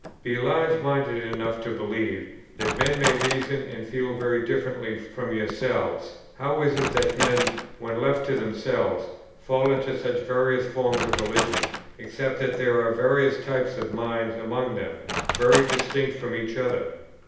Be large minded enough to believe, that men may reason and feel very differently from yourselves; how is it that men, when left to themselves, fall into such various forms of religion, except that there are various types of mind among them, very distinct from each other?